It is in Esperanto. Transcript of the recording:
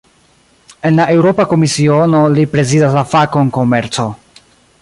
En la Eŭropa Komisiono, li prezidas la fakon "komerco".